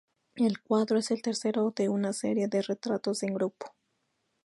El cuadro es el tercero de una serie de retratos en grupo.